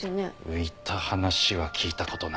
浮いた話は聞いたことないね。